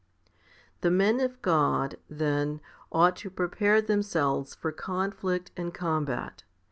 12. The men of God, then, ought to prepare themselves for conflict and combat.